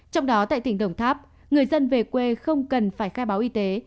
trong đó tại tỉnh đồng tháp người dân về quê không cần phải khai báo y tế